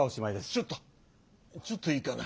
ちょっとちょっといいかな。